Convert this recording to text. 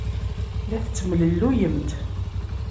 La tettemlelluyemt.